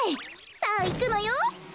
さあいくのよ。